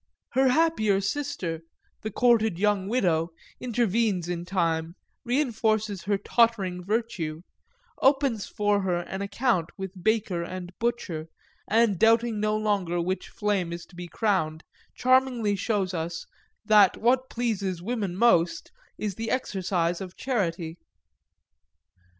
Her happier sister, the courted young widow, intervenes in time, reinforces her tottering virtue, opens for her an account with baker and butcher, and, doubting no longer which flame is to be crowned, charmingly shows us that what pleases women most is the exercise of charity.